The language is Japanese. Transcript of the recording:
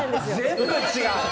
全部違う！